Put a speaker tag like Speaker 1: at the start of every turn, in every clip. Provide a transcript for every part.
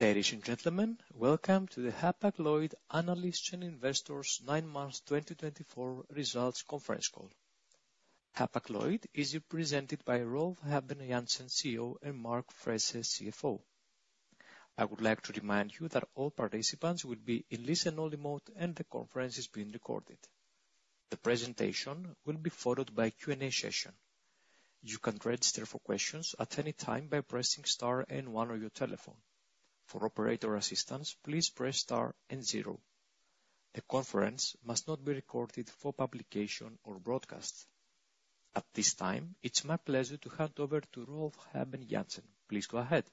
Speaker 1: Ladies and gentlemen, welcome to the Hapag-Lloyd analysts and investors 9 months 2024 results conference call. Hapag-Lloyd is represented by Rolf Habben Jansen, CEO, and Mark Frese, CFO. I would like to remind you that all participants will be in listen-only mode and the conference is being recorded. The presentation will be followed by a Q&A session. You can register for questions at any time by pressing star and one on your telephone. For operator assistance, please press star and zero. The conference must not be recorded for publication or broadcast. At this time, it's my pleasure to hand over to Rolf Habben Jansen. Please go ahead.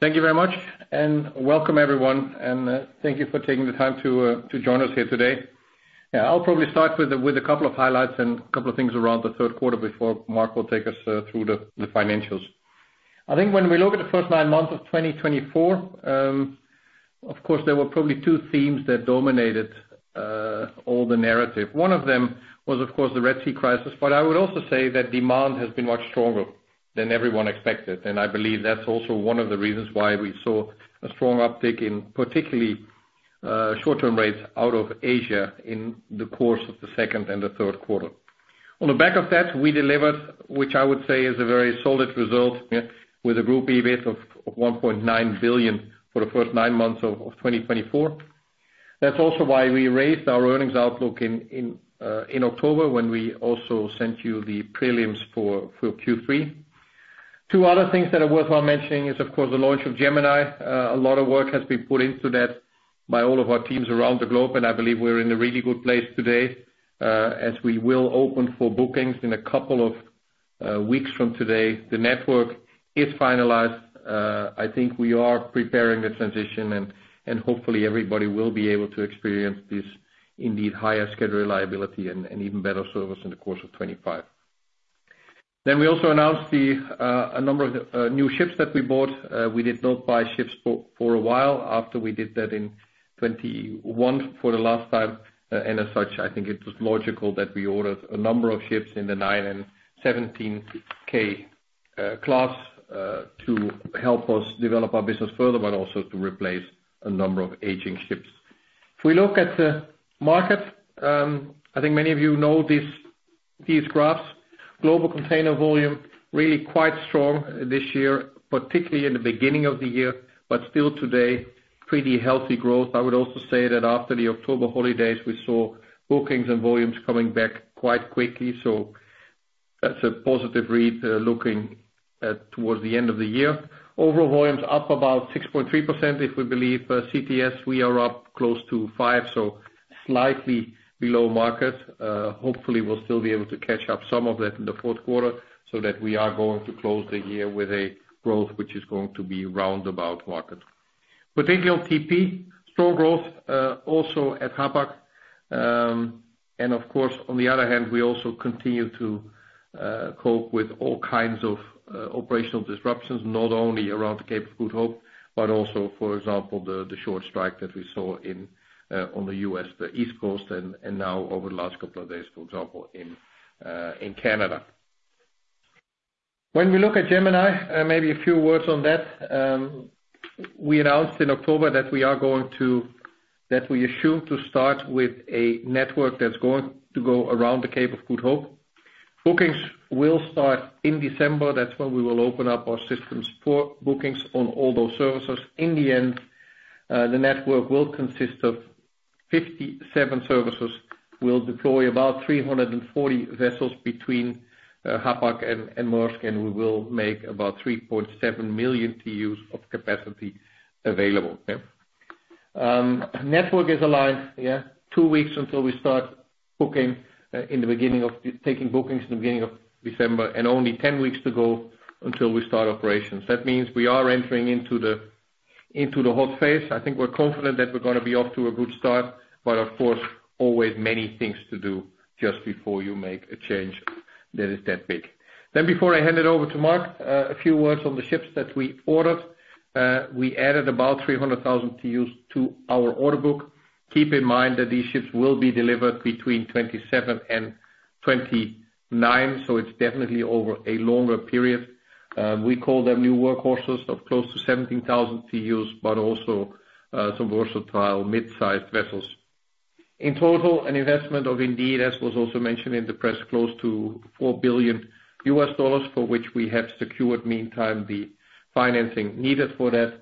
Speaker 2: Thank you very much, and welcome everyone, and thank you for taking the time to join us here today. Yeah, I'll probably start with a couple of highlights and a couple of things around the third quarter before Mark will take us through the financials. I think when we look at the first nine months of 2024, of course, there were probably two themes that dominated all the narrative. One of them was, of course, the Red Sea crisis, but I would also say that demand has been much stronger than everyone expected, and I believe that's also one of the reasons why we saw a strong uptick in particularly short-term rates out of Asia in the course of the second and the third quarter. On the back of that, we delivered which I would say is a very solid result, with a group EBIT of $1.9 billion for the first nine months of 2024. That's also why we raised our earnings outlook in October when we also sent you the prelims for Q3. Two other things that are worthwhile mentioning is, of course, the launch of Gemini. A lot of work has been put into that by all of our teams around the globe, and I believe we're in a really good place today as we will open for bookings in a couple of weeks from today. The network is finalized. I think we are preparing the transition, and hopefully everybody will be able to experience this indeed higher schedule reliability and even better service in the course of 2025. Then we also announced a number of new ships that we bought. We did not buy ships for a while after we did that in 2021 for the last time, and as such, I think it was logical that we ordered a number of ships in the 9,000 and 17,000 class to help us develop our business further but also to replace a number of aging ships. If we look at the market, I think many of you know these graphs. Global container volumes really quite strong this year, particularly in the beginning of the year, but still today pretty healthy growth. I would also say that after the October holidays, we saw bookings and volumes coming back quite quickly, so that's a positive read looking towards the end of the year. Overall volumes up about 6.3%, if we believe CTS. We are up close to 5%, so slightly below market. Hopefully, we'll still be able to catch up some of that in the fourth quarter so that we are going to close the year with a growth which is going to be roundabout market. When thinking of TP, strong growth also at Hapag, and of course, on the other hand, we also continue to cope with all kinds of operational disruptions not only around the Cape of Good Hope but also, for example, the short strike that we saw on the U.S., the East Coast, and now over the last couple of days, for example, in Canada. When we look at Gemini, maybe a few words on that. We announced in October that we are going to, that we assume to start with a network that's going to go around the Cape of Good Hope. Bookings will start in December. That's when we will open up our systems for bookings on all those services. In the end, the network will consist of 57 services. We'll deploy about 340 vessels between Hapag and Maersk, and we will make about 3.7 million TEUs of capacity available. The network is aligned, yeah, two weeks until we start taking bookings in the beginning of December, and only 10 weeks to go until we start operations. That means we are entering into the hot phase. I think we're confident that we're going to be off to a good start, but of course, always many things to do just before you make a change that is that big. Before I hand it over to Mark, a few words on the ships that we ordered. We added about 300,000 TEUs to our order book. Keep in mind that these ships will be delivered between 2027 and 2029, so it's definitely over a longer period. We call them new workhorses of close to 17,000 TEUs but also some versatile mid-sized vessels. In total, an investment of indeed, as was also mentioned in the press, close to $4 billion for which we have secured meantime the financing needed for that.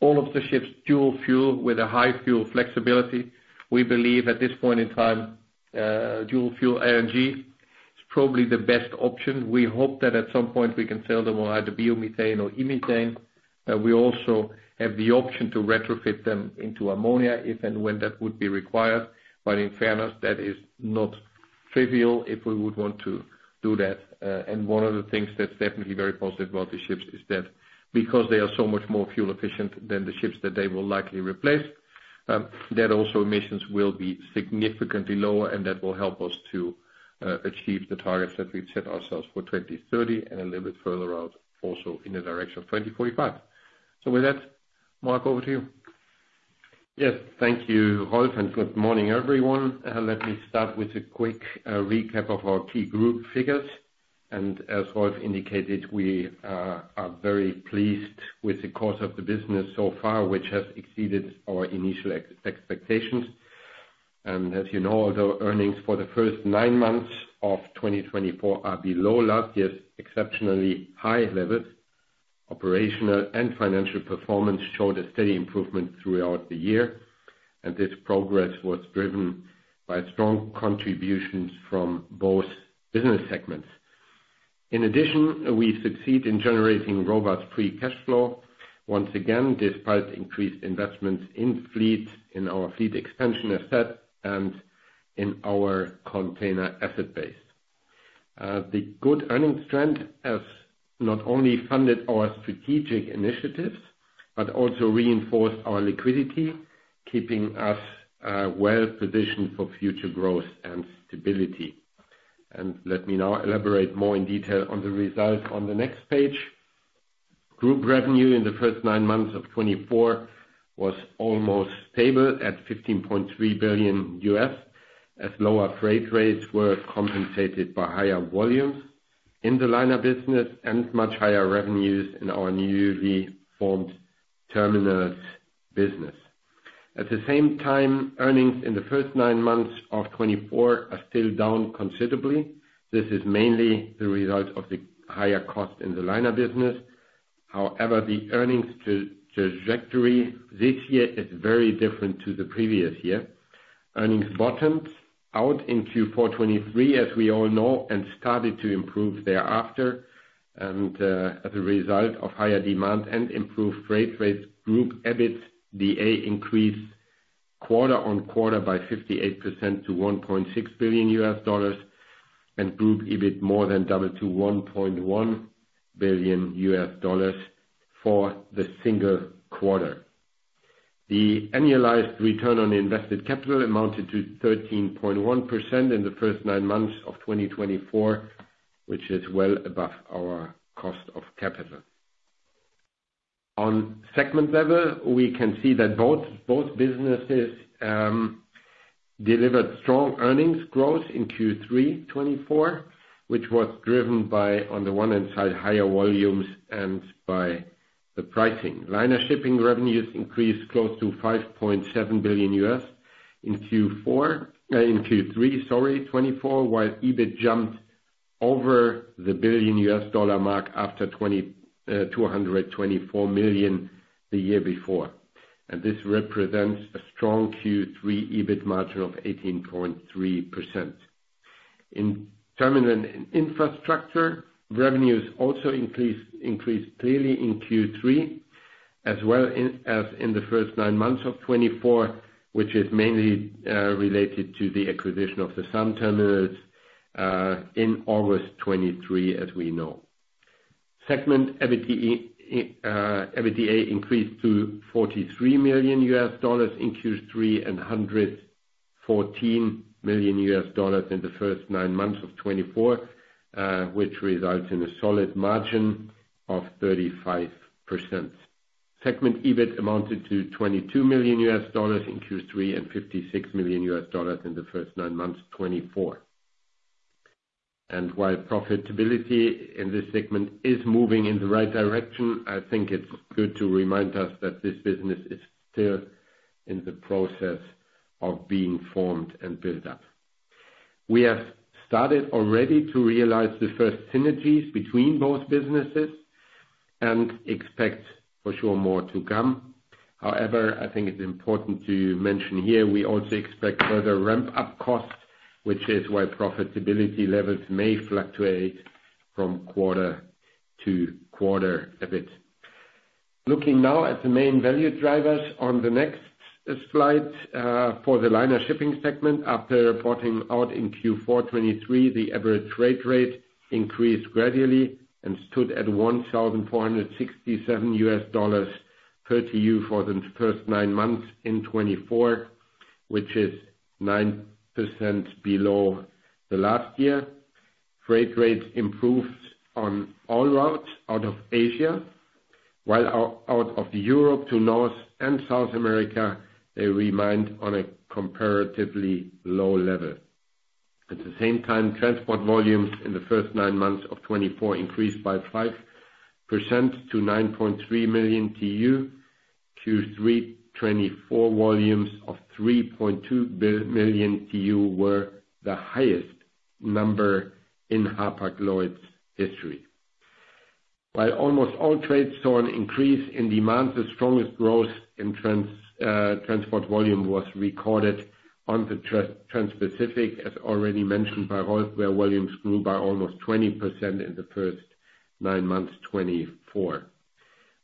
Speaker 2: All of the ships dual fuel with a high fuel flexibility. We believe at this point in time dual-fuel LNG is probably the best option. We hope that at some point we can sell them on either biomethane or e-methane. We also have the option to retrofit them into ammonia if and when that would be required, but in fairness, that is not trivial if we would want to do that. One of the things that's definitely very positive about the ships is that, because they are so much more fuel efficient than the ships that they will likely replace, that also emissions will be significantly lower, and that will help us to achieve the targets that we've set ourselves for 2030 and a little bit further out also in the direction of 2045. With that, Mark, over to you.
Speaker 3: Yes, thank you, Rolf, and good morning, everyone. Let me start with a quick recap of our key group figures. And as Rolf indicated, we are very pleased with the course of the business so far, which has exceeded our initial expectations. And as you know, although earnings for the first nine months of 2024 are below last year's exceptionally high levels, operational and financial performance showed a steady improvement throughout the year, and this progress was driven by strong contributions from both business segments. In addition, we succeed in generating robust free cash flow once again despite increased investments in fleet, in our fleet expansion asset, and in our container asset base. The good earnings trend has not only funded our strategic initiatives but also reinforced our liquidity, keeping us well positioned for future growth and stability. Let me now elaborate more in detail on the results on the next page. Group revenue in the first nine months of 2024 was almost stable at $15.3 billion, as lower freight rates were compensated by higher volumes in the liner business and much higher revenues in our newly formed terminals business. At the same time, earnings in the first nine months of 2024 are still down considerably. This is mainly the result of the higher costs in the liner business. However, the earnings trajectory this year is very different to the previous year. Earnings bottomed out in Q4 2023, as we all know, and started to improve thereafter. As a result of higher demand and improved freight rates, group EBITDA increased quarter-on-quarter by 58% to $1.6 billion, and group EBIT more than doubled to $1.1 billion for the single quarter. The annualized return on invested capital amounted to 13.1% in the first nine months of 2024, which is well above our cost of capital. On segment level, we can see that both businesses delivered strong earnings growth in Q3 2024, which was driven by, on the one hand side, higher volumes and by the pricing. Liner Shipping revenues increased close to $5.7 billion in Q3 2024, while EBIT jumped over the $1 billion mark after $224 million the year before. This represents a strong Q3 EBIT margin of 18.3%. In Terminal & Infrastructure, revenues also increased clearly in Q3, as well as in the first nine months of 2024, which is mainly related to the acquisition of the SAAM Terminals in August 2023, as we know. Segment EBITDA increased to $43 million in Q3 and $114 million in the first nine months of 2024, which resulted in a solid margin of 35%. Segment EBIT amounted to $22 million in Q3 and $56 million in the first nine months 2024. And while profitability in this segment is moving in the right direction, I think it's good to remind us that this business is still in the process of being formed and built up. We have started already to realize the first synergies between both businesses and expect for sure more to come. However, I think it's important to mention here we also expect further ramp-up costs, which is why profitability levels may fluctuate from quarter to quarter a bit. Looking now at the main value drivers on the next slide for the Liner Shipping segment. After bottoming out in Q4 2023, the average freight rate increased gradually and stood at $1,467 per TEU for the first nine months in 2024, which is 9% below the last year. Freight rates improved on all routes out of Asia, while out of Europe to North and South America, they remained on a comparatively low level. At the same time, transport volumes in the first nine months of 2024 increased by 5% to 9.3 million TEU. Q3 2024 volumes of 3.2 million TEU were the highest number in Hapag-Lloyd's history. While almost all trades saw an increase in demand, the strongest growth in transport volume was recorded on the Transpacific, as already mentioned by Rolf, where volumes grew by almost 20% in the first nine months 2024.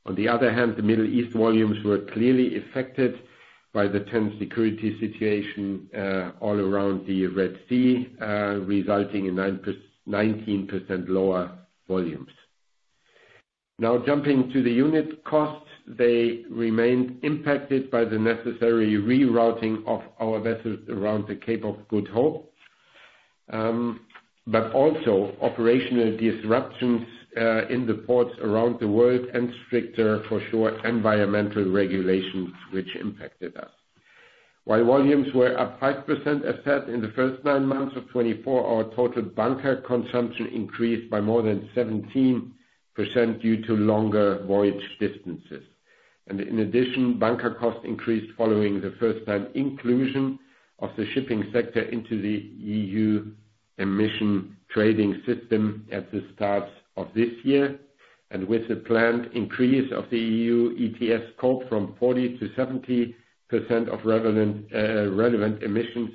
Speaker 3: On the other hand, the Middle East volumes were clearly affected by the tense security situation all around the Red Sea, resulting in 19% lower volumes. Now jumping to the unit costs, they remained impacted by the necessary rerouting of our vessels around the Cape of Good Hope but also operational disruptions in the ports around the world and stricter, for sure, environmental regulations which impacted us. While volumes were up 5% as said in the first nine months of 2024, our total bunker consumption increased by more than 17% due to longer voyage distances, and in addition, bunker costs increased following the first-time inclusion of the shipping sector into the EU Emissions Trading System at the start of this year. With the planned increase of the EU ETS scope from 40% to 70% of relevant emissions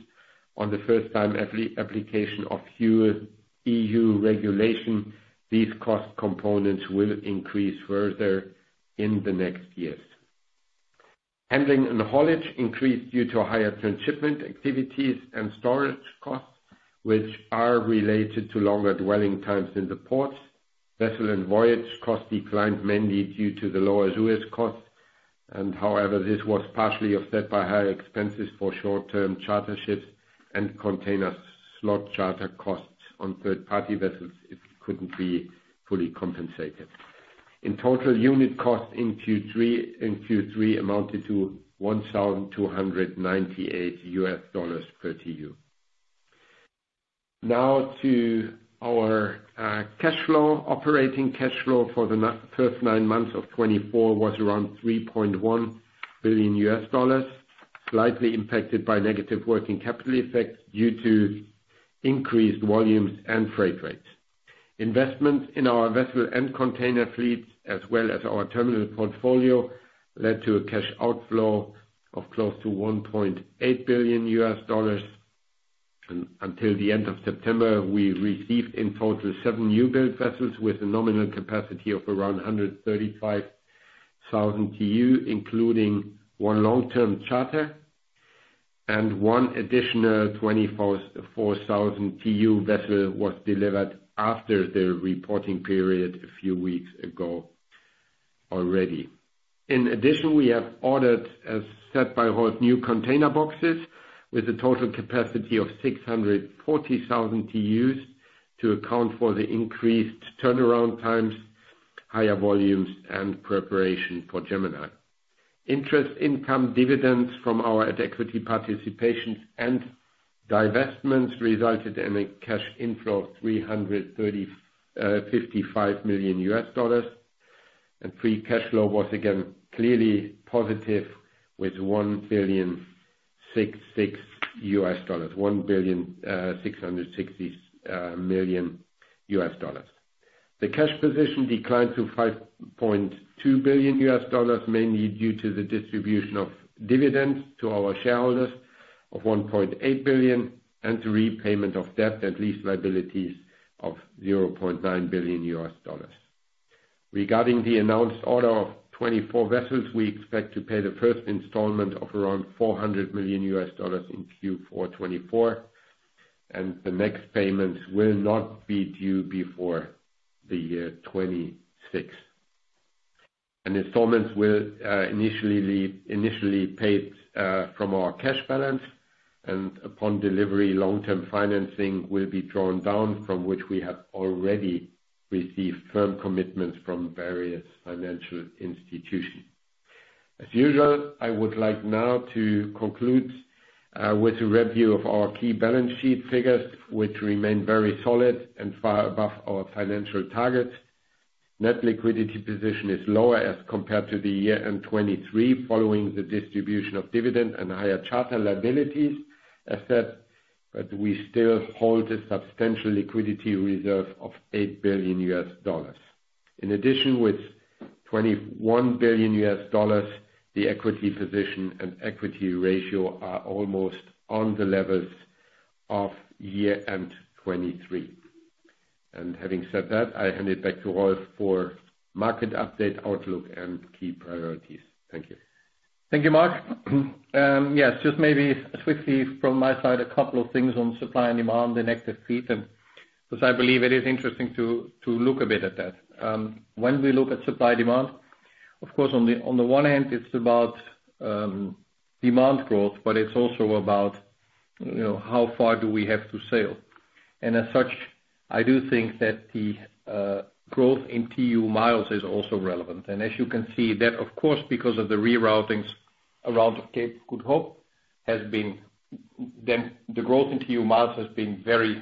Speaker 3: on the first-time application of EU regulation, these cost components will increase further in the next years. Handling and haulage increased due to higher transshipment activities and storage costs which are related to longer dwelling times in the ports. Vessel and voyage costs declined mainly due to the lower Suez costs. However, this was partially offset by higher expenses for short-term charter ships and container slot charter costs on third-party vessels if it couldn't be fully compensated. In total, unit cost in Q3 amounted to $1,298 per TEU. Now to our cash flow. Operating cash flow for the first nine months of 2024 was around $3.1 billion, slightly impacted by negative working capital effects due to increased volumes and freight rates. Investments in our vessel and container fleets as well as our terminal portfolio led to a cash outflow of close to $1.8 billion. Until the end of September, we received in total seven newbuild vessels with a nominal capacity of around 135,000 TEU, including one long-term charter, and one additional 24,000 TEU vessel was delivered after the reporting period a few weeks ago already. In addition, we have ordered, as said by Rolf, new container boxes with a total capacity of 640,000 TEUs to account for the increased turnaround times, higher volumes, and preparation for Gemini. Interest income, dividends from our equity participations and divestments resulted in a cash inflow of $355 million, and free cash flow was again clearly positive with $1.66 billion. The cash position declined to $5.2 billion mainly due to the distribution of dividends to our shareholders of $1.8 billion and to repayment of debt and lease liabilities of $0.9 billion. Regarding the announced order of 24 vessels, we expect to pay the first installment of around $400 million in Q4 2024, and the next payments will not be due before the year 2026. And installments will initially paid from our cash balance, and upon delivery, long-term financing will be drawn down, from which we have already received firm commitments from various financial institutions. As usual, I would like now to conclude with a review of our key balance sheet figures, which remain very solid and far above our financial targets. Net liquidity position is lower as compared to the year in 2023, following the distribution of dividend and higher charter liabilities as said, but we still hold a substantial liquidity reserve of $8 billion. In addition, with $21 billion, the equity position and equity ratio are almost on the levels of year-end 2023. Having said that, I hand it back to Rolf for market update, outlook, and key priorities. Thank you.
Speaker 2: Thank you, Mark. Yes, just maybe swiftly from my side, a couple of things on supply and demand, inactive fleet, and because I believe it is interesting to look a bit at that. When we look at supply and demand, of course, on the one hand, it's about demand growth, but it's also about how far do we have to sail. As such, I do think that the growth in TEU miles is also relevant. As you can see, that, of course, because of the reroutings around the Cape of Good Hope, the growth in TEU miles, has been very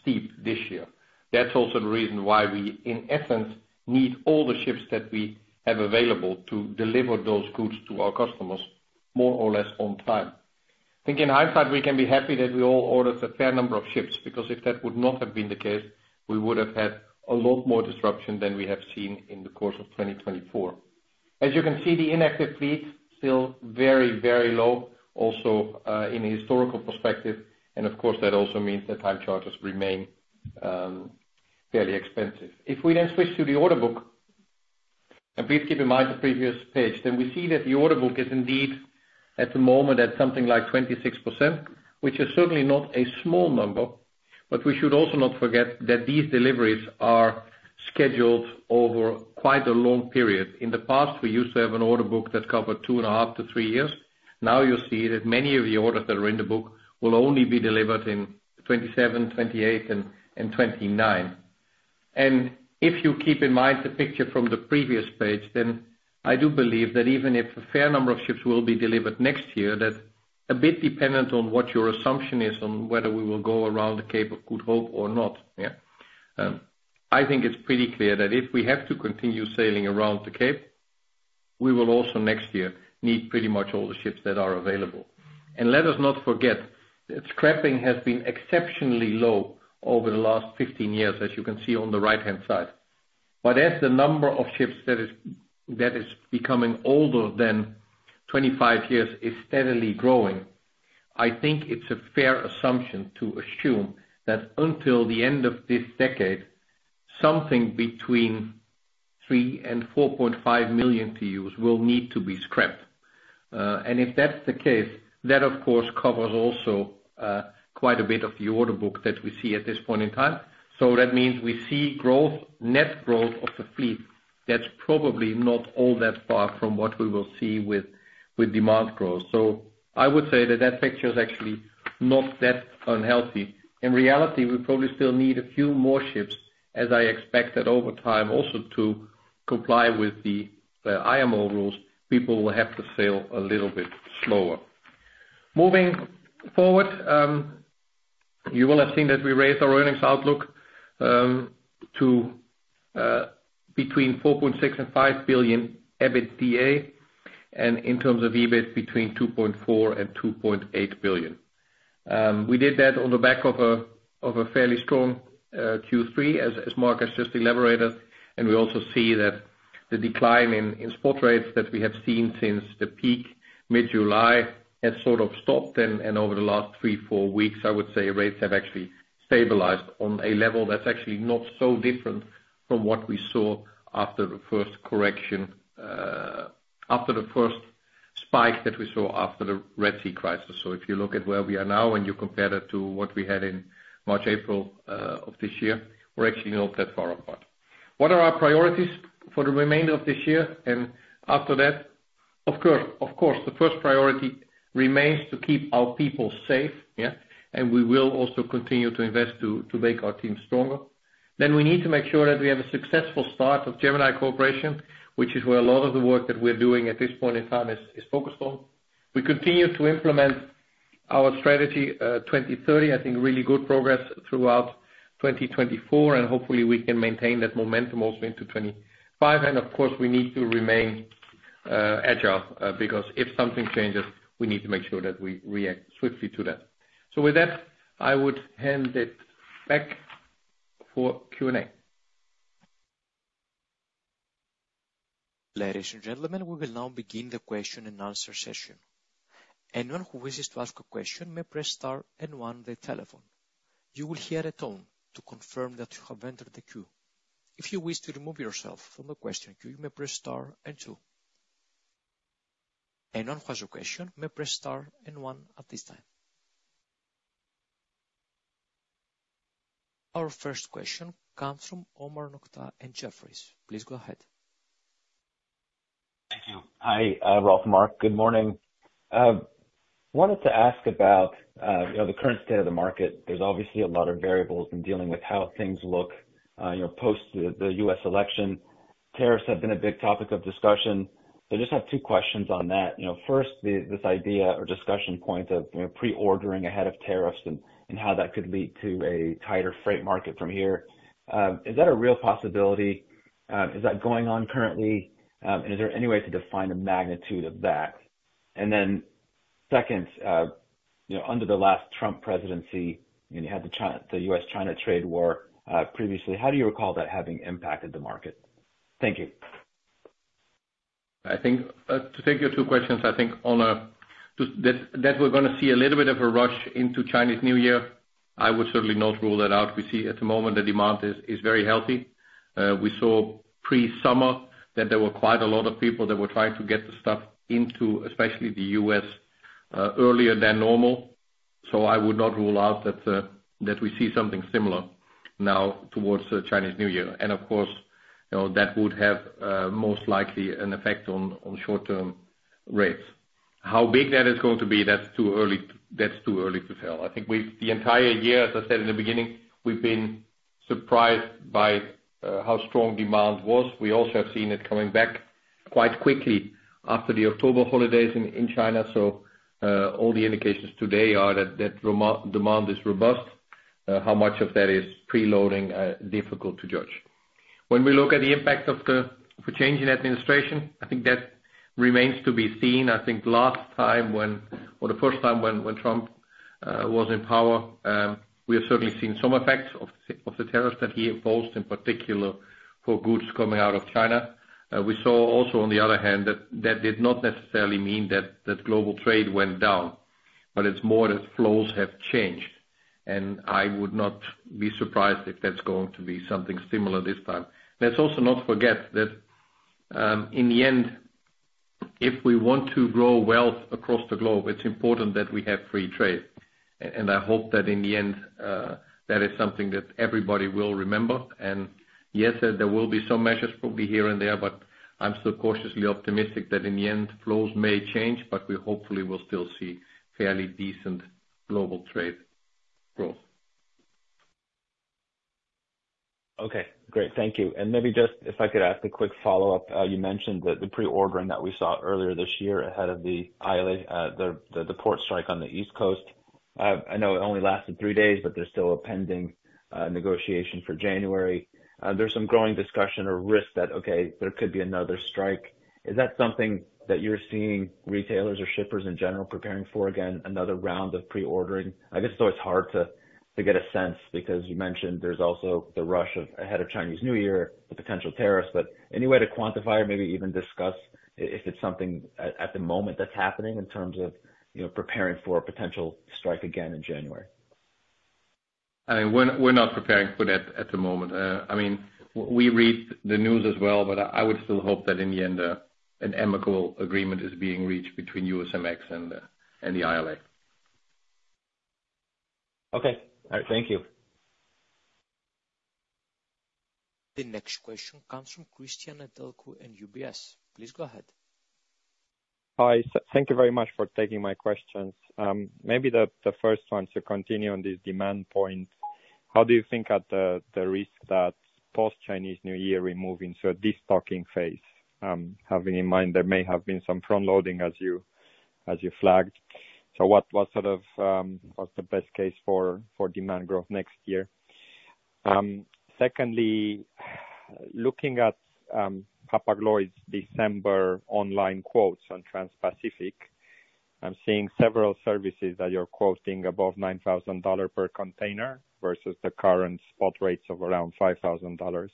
Speaker 2: steep this year. That's also the reason why we, in essence, need all the ships that we have available to deliver those goods to our customers more or less on time. Thinking in hindsight, we can be happy that we all ordered a fair number of ships, because if that would not have been the case, we would have had a lot more disruption than we have seen in the course of 2024. As you can see, the inactive fleet is still very, very low, also in a historical perspective. Of course, that also means that time charters remain fairly expensive. If we then switch to the order book, and please keep in mind the previous page, then we see that the order book is indeed at the moment at something like 26%, which is certainly not a small number, but we should also not forget that these deliveries are scheduled over quite a long period. In the past, we used to have an order book that covered two and a half-three years. Now you'll see that many of the orders that are in the book will only be delivered in 2027, 2028, and 2029. If you keep in mind the picture from the previous page, then I do believe that even if a fair number of ships will be delivered next year, that's a bit dependent on what your assumption is on whether we will go around the Cape of Good Hope or not, yeah. I think it's pretty clear that if we have to continue sailing around the cape, we will also next year need pretty much all the ships that are available. Let us not forget scrapping has been exceptionally low over the last 15 years, as you can see on the right-hand side. As the number of ships that is becoming older than 25 years is steadily growing, I think it's a fair assumption to assume that until the end of this decade, something between 3 million and 4.5 million TEUs will need to be scrapped. And if that's the case, that, of course, covers also quite a bit of the order book that we see at this point in time, so that means we'll see growth, net growth, of the fleet that's probably not all that far from what we will see with demand growth. So I would say that that picture is actually not that unhealthy. In reality, we probably still need a few more ships, as I expect that, over time also, to comply with the IMO rules, people will have to sail a little bit slower. Moving forward, you will have seen that we raised our earnings outlook to between $4.6 billion and $5 billion EBITDA; and in terms of EBIT, between $2.4 billion and $2.8 billion. We did that on the back of a fairly strong Q3, as Mark has just elaborated. We also see that the decline in spot rates that we have seen since the peak mid-July has sort of stopped. Over the last three, four weeks, I would say rates have actually stabilized on a level that's actually not so different from what we saw after the first correction, after the first spike that we saw after the Red Sea crisis. If you look at where we are now and you compare that to what we had in March, April of this year, we're actually not that far apart. What are our priorities for the remainder of this year and after that? Of course, the first priority remains to keep our people safe, yeah, and we will also continue to invest to make our team stronger. Then we need to make sure that we have a successful start of Gemini Cooperation, which is where a lot of the work that we're doing at this point in time is focused on. We continue to implement our Strategy 2030. I think really good progress throughout 2024, and hopefully we can maintain that momentum also into 2025. And of course, we need to remain agile, because if something changes, we need to make sure that we react swiftly to that. So with that, I would hand it back for Q&A.
Speaker 1: Ladies and gentlemen, we will now begin the question-and-answer session. Anyone who wishes to ask a question may press star and one on their telephone. You will hear a tone to confirm that you have entered the queue. If you wish to remove yourself from the question queue, you may press star and two. Anyone who has a question may press star and one at this time. Our first question comes from Omar Nokta and Jefferies. Please go ahead.
Speaker 4: Thank you. Hi, Rolf, Mark. Good morning. I wanted to ask about the current state of the market. There's obviously a lot of variables in dealing with how things look post the U.S. election. Tariffs have been a big topic of discussion, so I just have two questions on that. First, this idea or discussion point of pre-ordering ahead of tariffs and how that could lead to a tighter freight market from here. Is that a real possibility? Is that going on currently? And is there any way to define the magnitude of that? And then second, under the last Trump presidency, you had the U.S.-China trade war previously. How do you recall that having impacted the market? Thank you.
Speaker 2: To take your two questions, I think that we're going to see a little bit of a rush into Chinese New Year. I would certainly not rule that out. We see at the moment the demand is very healthy. We saw, pre summer, that there were quite a lot of people that were trying to get the stuff into especially the U.S. earlier than normal, so I would not rule out that we see something similar now towards Chinese New Year. And of course, that would have most likely an effect on short-term rates. How big that is going to be, that's too early to tell. I think, the entire year, as I said in the beginning, we've been surprised by how strong demand was. We also have seen it coming back quite quickly after the October holidays in China. So all the indications today are that demand is robust. How much of that is preloading is difficult to judge. When we look at the impact of the change in administration, I think that remains to be seen. I think, last time when or the first time when Trump was in power, we have certainly seen some effects of the tariffs that he imposed, in particular for goods coming out of China. We saw also, on the other hand, that that did not necessarily mean that global trade went down, but it's more that flows have changed, and I would not be surprised if that's going to be something similar this time. Let's also not forget that in the end, if we want to grow wealth across the globe, it's important that we have free trade, and I hope that in the end that is something that everybody will remember. Yes, there will be some measures probably here and there, but I'm still cautiously optimistic that, in the end, flows may change, but we hopefully will still see fairly decent global trade growth.
Speaker 4: Okay. Great. Thank you. And maybe just if I could add a quick follow-up. You mentioned the pre-ordering that we saw earlier this year ahead of the port strike on the East Coast. I know it only lasted three days, but there's still a pending negotiation for January. There's some growing discussion or risk that, okay, there could be another strike. Is that something that you're seeing retailers or shippers in general preparing for again, another round of pre-ordering? I guess it's always hard to get a sense because, you mentioned, there's also the rush ahead of Chinese New Year, the potential tariffs, but any way to quantify or maybe even discuss if it's something at the moment that's happening in terms of preparing for a potential strike again in January?
Speaker 2: I mean we're not preparing for that at the moment. I mean we read the news as well, but I would still hope that, in the end, an amicable agreement is being reached between USMX and the ILA.
Speaker 4: Okay. All right. Thank you.
Speaker 1: The next question comes from Cristian Nedelcu and UBS. Please go ahead.
Speaker 5: Hi. Thank you very much for taking my questions. Maybe the first one, to continue on this demand point, how do you think at the risk that, post Chinese New Year, we move into a destocking phase, having in mind there may have been some front-loading as you flagged? So what's sort of the best case for demand growth next year? Secondly, looking at Hapag-Lloyd's December online quotes on Transpacific, I'm seeing several services that you're quoting above $9,000 per container versus the current spot rates of around $5,000,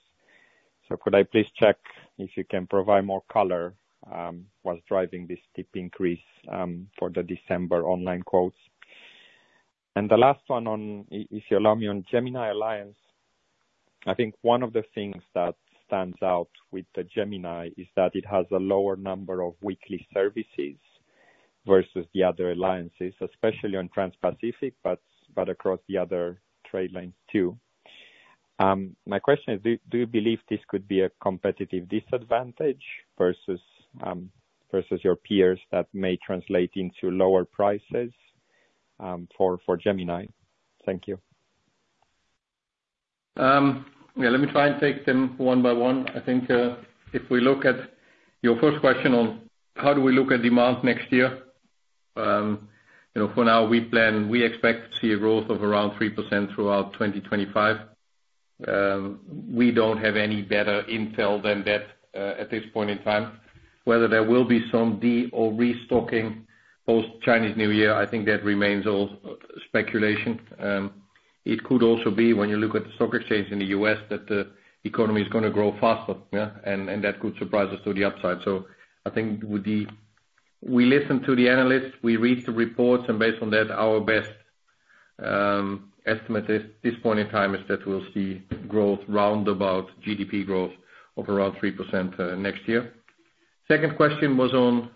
Speaker 5: so could I please check if you can provide more color what's driving this steep increase for the December online quotes? And the last one, if you allow me, on Gemini Cooperation, I think one of the things that stands out with Gemini is that it has a lower number of weekly services versus the other alliances, especially on Transpacific but across the other trade lanes too. My question is, do you believe this could be a competitive disadvantage versus your peers that may translate into lower prices for Gemini? Thank you.
Speaker 2: Yeah, let me try and take them one by one. I think if we look at your first question on how do we look at demand next year, for now, we expect to see a growth of around 3% throughout 2025. We don't have any better intel than that at this point in time. Whether there will be some de- or re-stocking post Chinese New Year, I think that remains all speculation. It could also be, when you look at the stock exchange in the U.S., that the economy is going to grow faster, and that could surprise us to the upside. So I think we listen to the analysts, we read the reports, and based on that, our best estimate at this point in time is that we'll see growth roundabout GDP growth of around 3% next year. Second question was on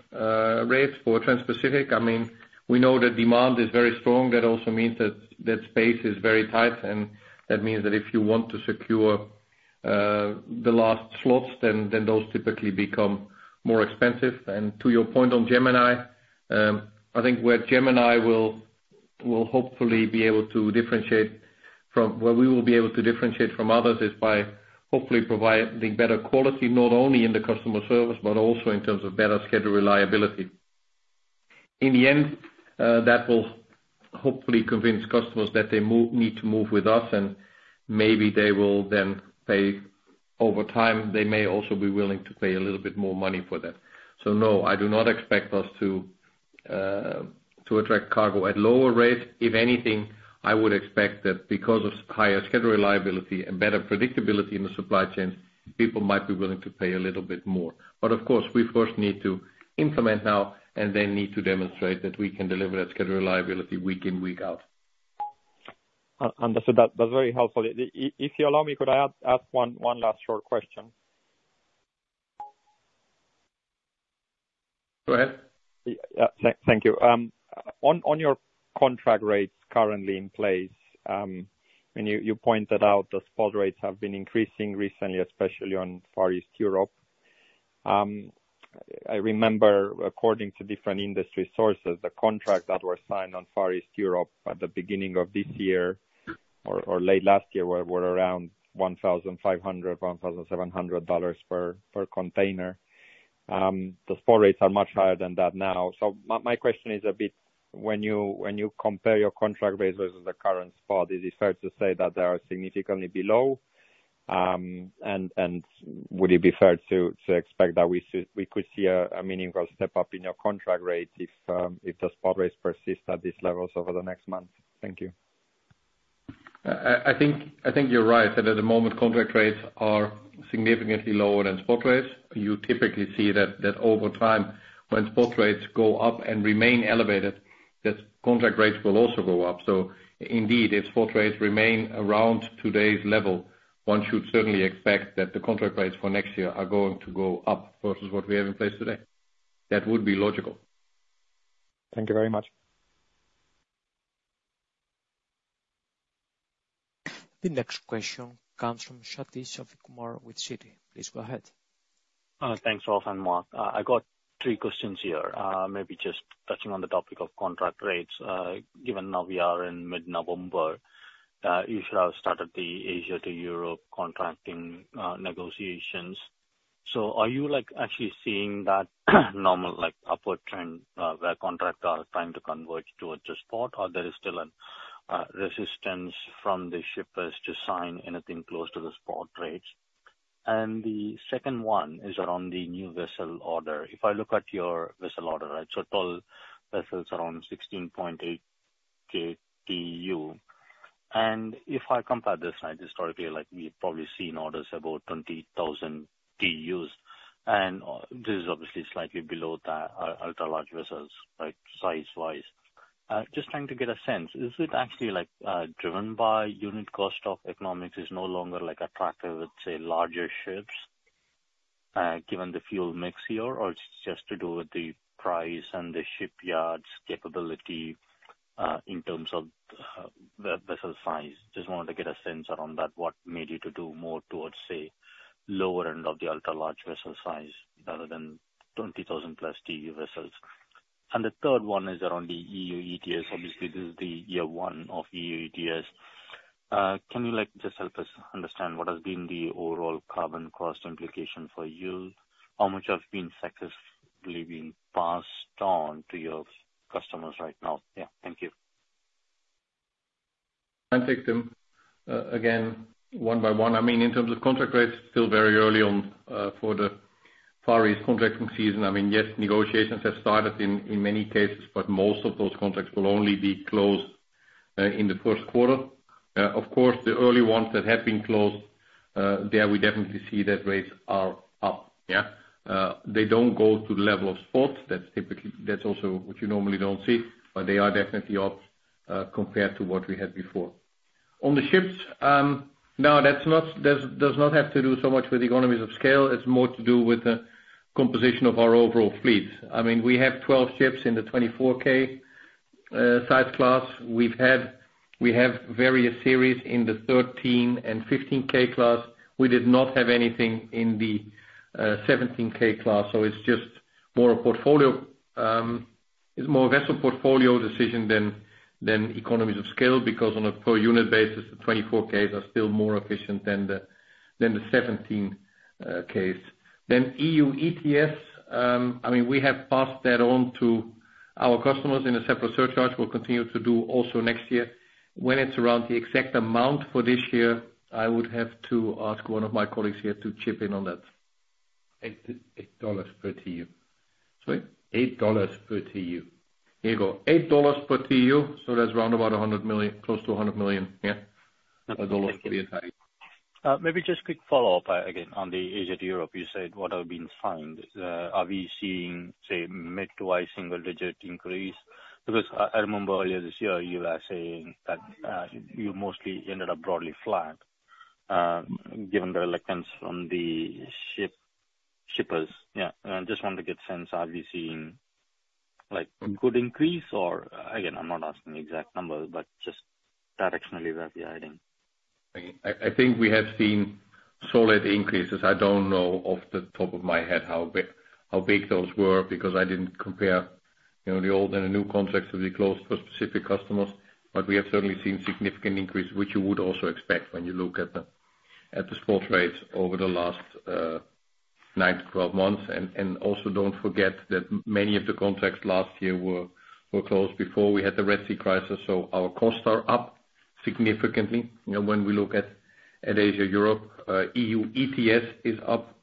Speaker 2: rates for Transpacific. I mean we know that demand is very strong. That also means that space is very tight, and that means that if you want to secure the last slots, then those typically become more expensive. And to your point on Gemini, I think where Gemini will hopefully be able to differentiate from where we will be able to differentiate from others is by, hopefully, providing better quality not only in the customer service but also in terms of better schedule reliability. In the end, that will hopefully convince customers that they need to move with us, and maybe they will then pay over time. They may also be willing to pay a little bit more money for that, so no, I do not expect us to attract cargo at lower rates. If anything, I would expect that, because of higher schedule reliability and better predictability in the supply chains, people might be willing to pay a little bit more, but of course, we first need to implement now and then need to demonstrate that we can deliver that schedule reliability week in, week out.
Speaker 5: Understood. That's very helpful. If you allow me, could I ask one last short question?
Speaker 2: Go ahead.
Speaker 5: Yeah. Thank you. On your contract rates currently in place, you pointed out the spot rates have been increasing recently, especially on Far East-Europe. I remember, according to different industry sources, the contract that was signed on Far East-Europe at the beginning of this year or late last year were around $1,500, $1,700 per container. The spot rates are much higher than that now. So my question is a bit, when you compare your contract rates versus the current spot, is it fair to say that they are significantly below? And would it be fair to expect that we could see a meaningful step up in your contract rates if the spot rates persist at these levels over the next months? Thank you.
Speaker 2: I think you're right that, at the moment, contract rates are significantly lower than spot rates. You typically see that over time, when spot rates go up and remain elevated, that contract rates will also go up. So indeed, if spot rates remain around today's level, one should certainly expect that the contract rates for next year are going to go up versus what we have in place today. That would be logical.
Speaker 5: Thank you very much.
Speaker 1: The next question comes from Sathish Sivakumar with Citi. Please go ahead.
Speaker 6: Thanks, Rolf and Mark. I got three questions here. Maybe just touching on the topic of contract rates, given now we are in mid-November. You should have started the Asia-to-Europe contracting negotiations. So are you actually seeing that normal upward trend where contractors are trying to converge towards spot? Or there is still a resistance from the shippers to sign anything close to the spot rates. And the second one is around the new vessel order. If I look at your vessel order, right, so total vessels around 16,800 TEU. And if I compare this historically, we've probably seen orders about 20,000 TEUs. And this is obviously slightly below the ultra-large vessels, right, size-wise. Just trying to get a sense. Is it actually driven by unit cost of economics? It's no longer attractive with, say, larger ships, given the fuel mix here. Or it's just to do with the price and the shipyard's capability in terms of the vessel size. Just wanted to get a sense around that. What made you to do more towards, say, lower end of the ultra-large vessel size rather than 20,000+ TEU vessels? And the third one is around the EU ETS. Obviously, this is the year one of EU ETS. Can you just help us understand, what has been the overall carbon cost implication for you? How much has been successfully being passed on to your customers right now? Yeah. Thank you.
Speaker 2: I'll take them again one by one. I mean, in terms of contract rates, it's still very early on for the Far East contracting season. I mean, yes, negotiations have started in many cases, but most of those contracts will only be closed in the first quarter. Of course, the early ones that have been closed, there we definitely see that rates are up, yeah. They don't go to the level of spots. That's also what you normally don't see, but they are definitely up compared to what we had before. On the ships, no, that does not have to do so much with economies of scale. It's more to do with the composition of our overall fleet. I mean we have 12 ships in the 24,000 size class. We have various series in the 13,000 and 15,000 class. We did not have anything in the 17,000 class, so it's just more a portfolio. It's more a vessel portfolio decision than economies of scale because, on a per-unit basis, the 24,000s are still more efficient than the 17,000s. Then EU ETS, I mean, we have passed that on to our customers in a separate surcharge. We'll continue to do also next year. When it's around the exact amount for this year, I would have to ask one of my colleagues here to chip in on that.
Speaker 3: $8 per TEU.
Speaker 2: Sorry.
Speaker 3: $8 per TEU.
Speaker 2: Here you go, $8 per TEU. So that's roundabout close to $100 million, yeah.
Speaker 6: Maybe just a quick follow-up again on the Asia to Europe. You said what have been signed. Are we seeing, say, mid- to high single-digit increase? Because I remember, earlier this year, you were saying that you mostly ended up broadly flat given the reluctance from the shippers. Yeah. I just want to get a sense, are we seeing a good increase? Or again, I'm not asking exact numbers but just directionally where we are heading.
Speaker 2: I think we have seen solid increases. I don't know off the top of my head how big those were because I didn't compare the old and the new contracts that we closed for specific customers, but we have certainly seen significant increases, which you would also expect when you look at the spot rates over the last nine to 12 months. And also don't forget that many of the contracts last year were closed before we had the Red Sea crisis So our costs are up significantly, when we look at Asia-Europe. EU ETS is up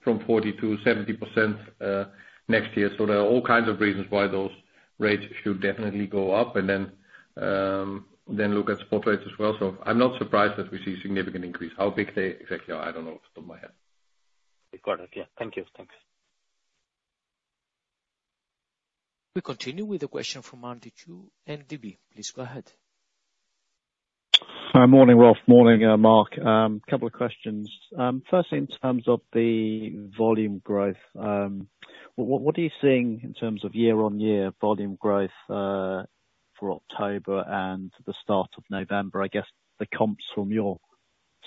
Speaker 2: from 40% to 70% next year. So there are all kinds of reasons why those rates should definitely go up. And then look at spot rates as well. I'm not surprised that we see a significant increase. How big they exactly are, I don't know off the top of my head.
Speaker 6: Got it. Yeah. Thank you. Thanks.
Speaker 1: We'll continue with a question from Andy Chu and Deutsche Bank. Please go ahead.
Speaker 7: Morning, Rolf. Morning, Mark. A couple of questions. First, in terms of the volume growth, what are you seeing in terms of year-on-year volume growth for October and the start of November? I guess the comps from your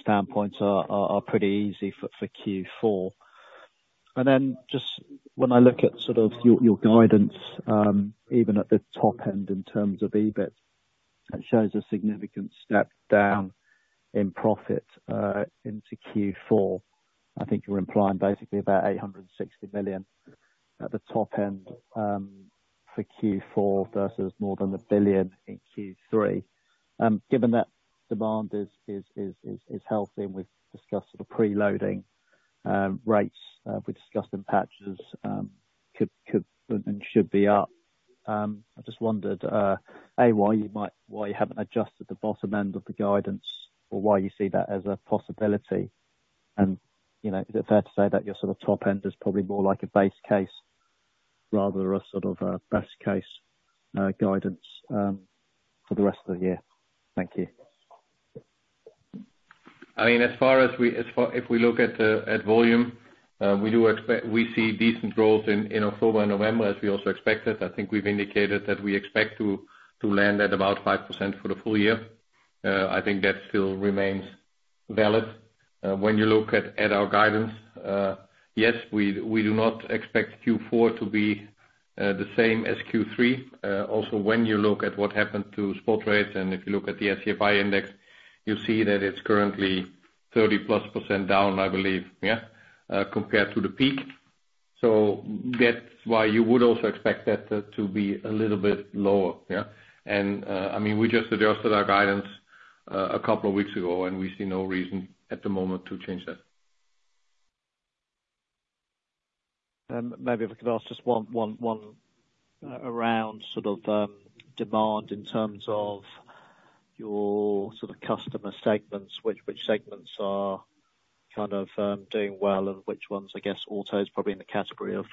Speaker 7: standpoint are pretty easy for Q4. And then just when I look at sort of your guidance, even at the top end in terms of EBIT, that shows a significant step down in profit into Q4. I think you're implying basically about $860 million at the top end for Q4 versus more than $1 billion in Q3. Given that demand is healthy and we've discussed sort of preloading rates, we discussed [the patches] could and should be up. I just wondered, a, why you haven't adjusted the bottom end of the guidance or why you see that as a possibility. And is it fair to say that your sort of top end is probably more like a base case rather than a sort of best case guidance for the rest of the year? Thank you.
Speaker 2: I mean, as far as if we look at volume, we see decent growth in October and November, as we also expected. I think we've indicated that we expect to land at about 5% for the full year. I think that still remains valid. When you look at our guidance, yes, we do not expect Q4 to be the same as Q3. Also, when you look at what happened to spot rates and if you look at the SCFI index, you'll see that it's currently 30%+ down, I believe, yeah, compared to the peak. So that's why you would also expect that to be a little bit lower, yeah. And I mean we just adjusted our guidance a couple of weeks ago, and we see no reason at the moment to change that.
Speaker 7: Maybe if I could ask just one around sort of demand in terms of your sort of customer segments, which segments are kind of doing well? And which ones? I guess auto is probably in the category of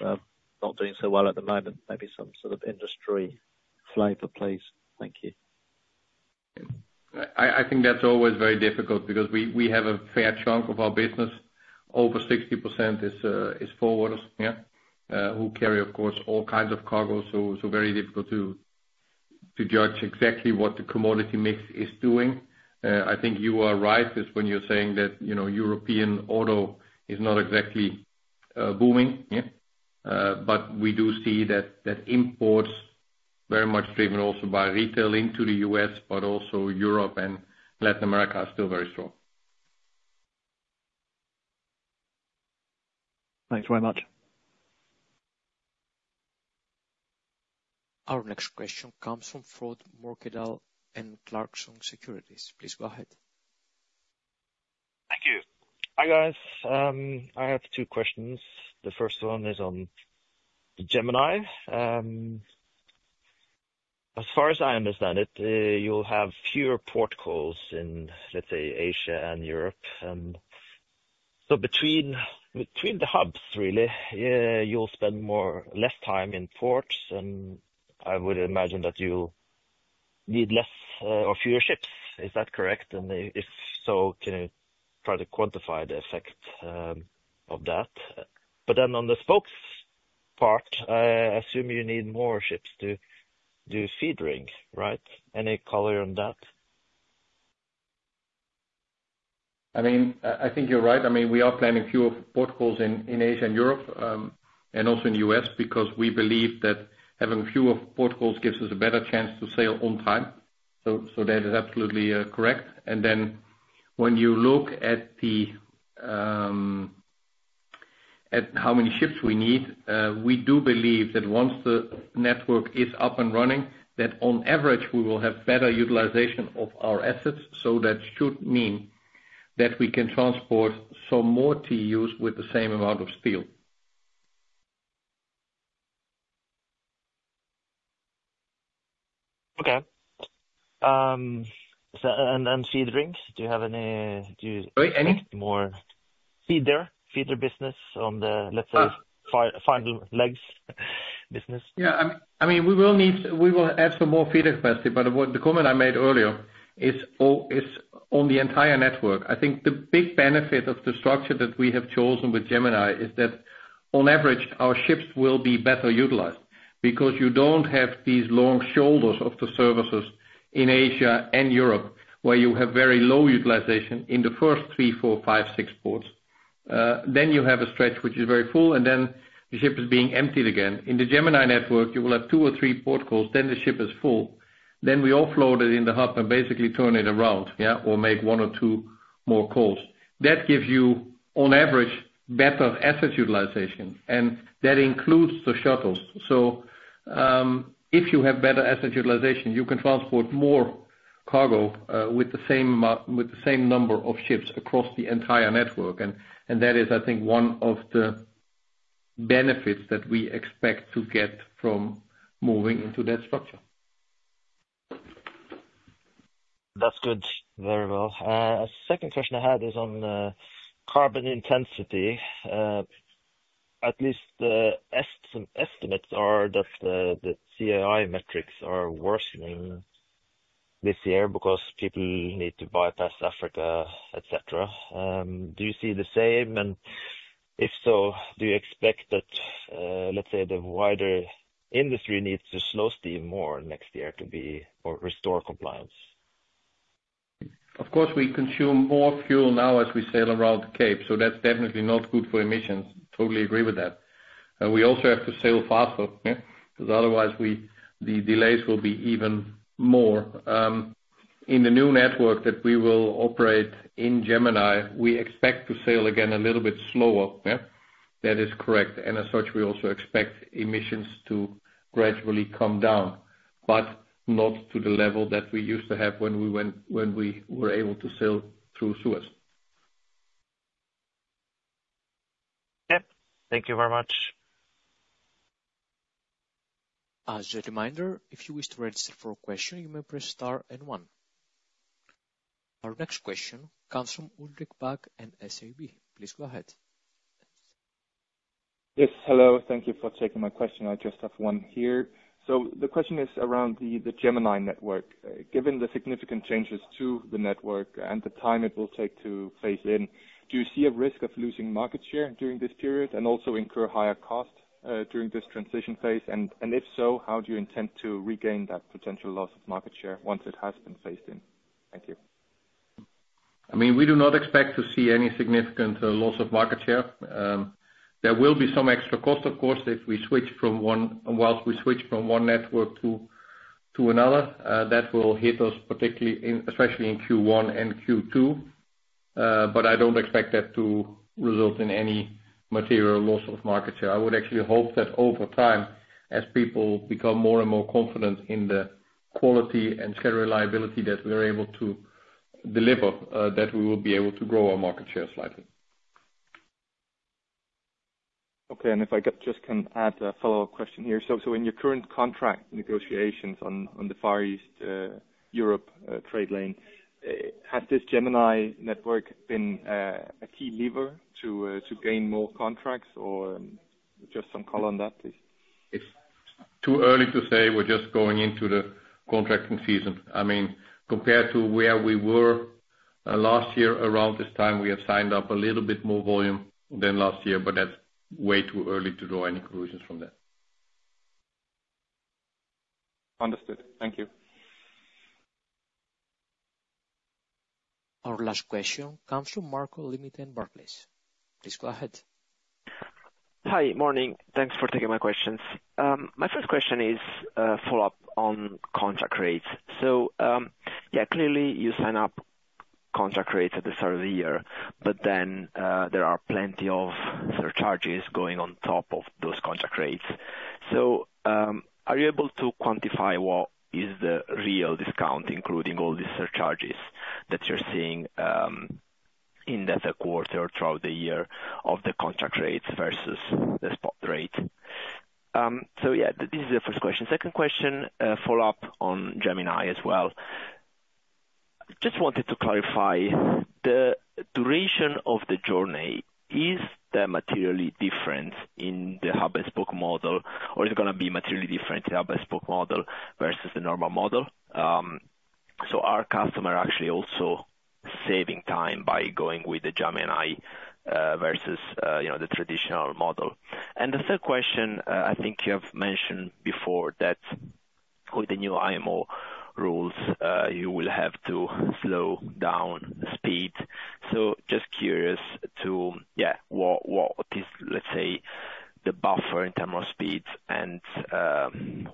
Speaker 7: not doing so well at the moment. Maybe some sort of industry flavor, please. Thank you.
Speaker 2: I think that's always very difficult because we have a fair chunk of our business, over 60%, is forwarders, yeah, who carry, of course, all kinds of cargo, so very difficult to judge exactly what the commodity mix is doing. I think you are right when you're saying that European auto is not exactly booming, yeah, but we do see that imports very much driven also by retail into the U.S. but also Europe and Latin America are still very strong.
Speaker 7: Thanks very much.
Speaker 1: Our next question comes from Frode Mørkedal and Clarksons Securities. Please go ahead.
Speaker 8: Thank you. Hi guys. I have two questions. The first one is on Gemini. As far as I understand it, you'll have fewer port calls in, let's say, Asia and Europe. So between the hubs really, you'll spend less time in ports, and I would imagine that you'll need fewer ships. Is that correct? And if so, can you try to quantify the effect of that? But then on the spokes part, I assume you need more ships to do feedering, right? Any color on that?
Speaker 2: I mean I think you're right. I mean we are planning fewer port calls in Asia and Europe and also in the U.S. because we believe that having fewer port calls gives us a better chance to sail on time. So that is absolutely correct. And then when you look at how many ships we need, we do believe that once the network is up and running, that on average, we will have better utilization of our assets, so that should mean that we can transport some more TEUs with the same amount of steel.
Speaker 8: Okay. And feederings? Do you have any more.
Speaker 2: Sorry. Any?
Speaker 8: Feeder business on the, let's say, [final legs] business.
Speaker 2: Yeah. I mean we will add some more feeder capacity, but the comment I made earlier is on the entire network. I think the big benefit of the structure that we have chosen with Gemini is that on average our ships will be better utilized because you don't have these long shoulders of the services in Asia and Europe where you have very low utilization in the first three, four, five, six ports. Then you have a stretch which is very full, and then the ship is being emptied again. In the Gemini network, you will have two or three port calls. Then the ship is full. Then we offload it in the hub and basically turn it around, yeah, or make one or two more calls. That gives you, on average, better asset utilization. And that includes the shuttles. So if you have better asset utilization, you can transport more cargo with the same number of ships across the entire network. And that is, I think, one of the benefits that we expect to get from moving into that structure.
Speaker 8: That's good. Very well. A second question I had is on carbon intensity. At least some estimates are that the CII metrics are worsening this year because people need to bypass Africa, etc. Do you see the same? And if so, do you expect that, let's say, the wider industry needs to slow steam more next year to restore compliance?
Speaker 2: Of course, we consume more fuel now as we sail around the cape. So that's definitely not good for emissions. Totally agree with that. We also have to sail faster because otherwise the delays will be even more. In the new network that we will operate in Gemini, we expect to sail again a little bit slower, yeah. That is correct. And as such, we also expect emissions to gradually come down but not to the level that we used to have when we were able to sail through Suez.
Speaker 8: Yep. Thank you very much.
Speaker 1: As a reminder, if you wish to register for a question, you may press star and one. Our next question comes from Ulrik Bak and SEB. Please go ahead.
Speaker 9: Yes. Hello. Thank you for taking my question. I just have one here. So the question is around the Gemini network. Given the significant changes to the network and the time it will take to phase in, do you see a risk of losing market share during this period and also incur higher cost during this transition phase? And if so, how do you intend to regain that potential loss of market share once it has been phased in? Thank you.
Speaker 2: I mean we do not expect to see any significant loss of market share. There will be some extra cost, of course, if we switch from one. Whilst we switch from one network to another, that will hit us particularly, especially in Q1 and Q2, but I don't expect that to result in any material loss of market share. I would actually hope that over time, as people become more and more confident in the quality and schedule reliability that we are able to deliver, that we will be able to grow our market share slightly.
Speaker 9: Okay. And if I just can add a follow-up question here. So in your current contract negotiations on the Far East-Europe trade lane, has this Gemini network been a key lever to gain more contracts? Or just some color on that, please.
Speaker 2: It's too early to say. We're just going into the contracting season. I mean, compared to where we were last year, around this time, we have signed up a little bit more volume than last year, but that's way too early to draw any conclusions from that.
Speaker 9: Understood. Thank you.
Speaker 1: Our last question comes from Marco Limite and Barclays. Please go ahead.
Speaker 10: Hi. Morning. Thanks for taking my questions. My first question is a follow-up on contract rates. So yeah, clearly, you sign up contract rates at the start of the year, but then there are plenty of surcharges going on top of those contract rates. So are you able to quantify what is the real discount, including all these surcharges that you're seeing in the third quarter or throughout the year, of the contract rates versus the spot rate? So yeah, this is the first question. Second question, follow-up on Gemini as well. I just wanted to clarify. The duration of the journey is that materially different in the hub-and-spoke model. Or is it going to be materially different in the hub-and-spoke model versus the normal model? So are customers actually also saving time by going with the Gemini versus the traditional model? The third question, I think you have mentioned before that with the new IMO rules, you will have to slow down speed. Just curious to, yeah, what is, let's say, the buffer in terms of speeds. And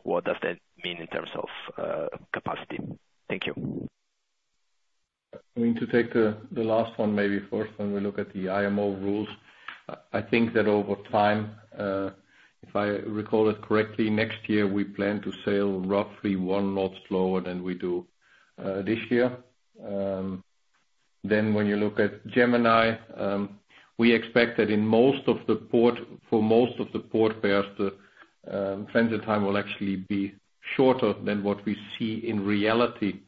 Speaker 10: what does that mean in terms of capacity? Thank you.
Speaker 2: I'm going to take the last one maybe first when we look at the IMO rules. I think that over time, if I recall it correctly, next year, we plan to sail roughly one knot slower than we do this year. Then when you look at Gemini, we expect that in most of the ports, for most of the port pairs, the transit time will actually be shorter than what we see in reality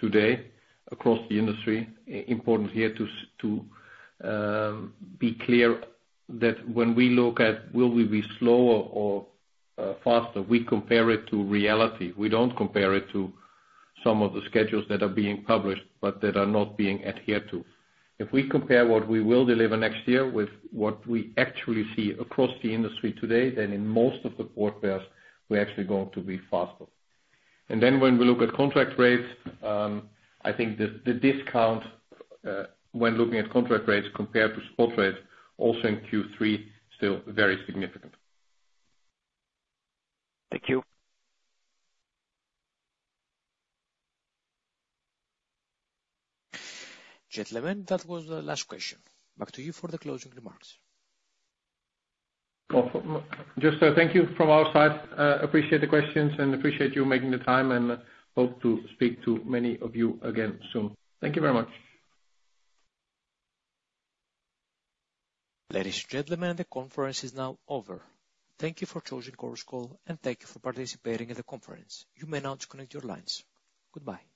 Speaker 2: today across the industry. Important here to be clear that, when we look at will we be slower or faster, we compare it to reality. We don't compare it to some of the schedules that are being published but that are not being adhered to. If we compare what we will deliver next year with what we actually see across the industry today, then in most of the port pairs, we're actually going to be faster. When we look at contract rates, I think the discount, when looking at contract rates compared to spot rates, also in Q3 is still very significant.
Speaker 10: Thank you.
Speaker 1: Gentlemen, that was the last question. Back to you for the closing remarks.
Speaker 2: Just thank you from our side. Appreciate the questions and appreciate you making the time and hope to speak to many of you again soon. Thank you very much.
Speaker 1: Ladies and gentlemen, the conference is now over. Thank you for choosing Chorus Call, and thank you for participating in the conference. You may now disconnect your lines. Goodbye.